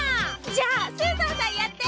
じゃあスーザンさんやって！